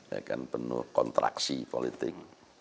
ya kan penuh kontraksi politik